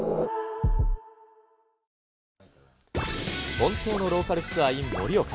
本当のローカルツアーｉｎ盛岡。